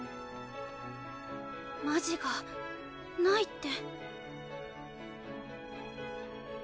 マジがないって。